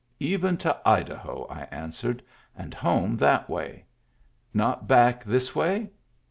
" Even to Idaho," I answered, " and home that way." "Not back this way?"